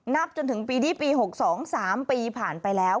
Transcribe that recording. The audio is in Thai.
จนถึงปีนี้ปี๖๒๓ปีผ่านไปแล้ว